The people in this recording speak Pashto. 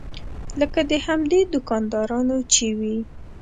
لکه د همدې دوکاندارانو چې وي.